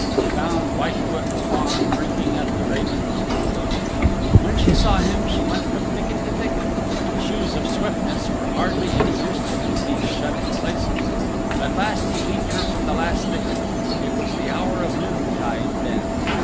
He found Whitefoot the Fawn drinking at the Raven's pool. When she saw him she went from thicket to thicket. The Shoes of Swiftness were hardly any use to him in these shut in places. At last he beat her from the last thicket. It was the hour of noon tide then.